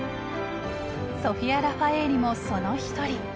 ソフィア・ラファエーリもその一人。